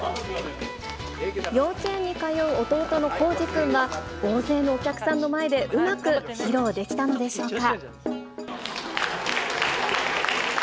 幼稚園に通う弟の康至くんは、大勢のお客さんの前で、うまく披露できたのでしょうか。